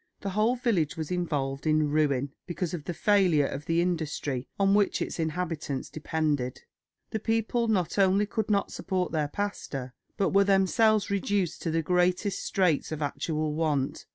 The whole village was involved in ruin because of the failure of the industry on which its inhabitants depended. The people not only could not support their pastor, but were themselves reduced to the greatest straits of actual want.